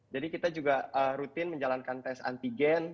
jadi kita juga rutin menjalankan tes antigen